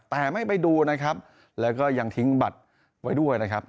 แต่ไม่ไปดูนะครับแล้วก็ยังทิ้งบัตรไว้ด้วยนะครับ